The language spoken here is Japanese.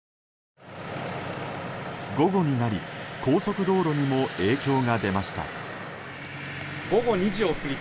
午後になり高速道路にも影響が出ました。